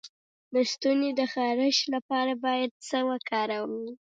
د ستوني د خارش لپاره باید څه وکاروم؟